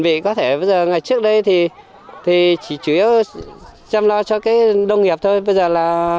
bị có thể bây giờ ngày trước đây thì thì chỉ chủ yếu chăm lo cho cái đông nghiệp thôi bây giờ là